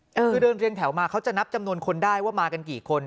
คือเดินเรียงแถวมาเขาจะนับจำนวนคนได้ว่ามากันกี่คน